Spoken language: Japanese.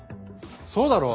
そうだろ。